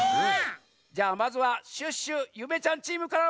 じゃあまずはシュッシュゆめちゃんチームからまいりましょうか。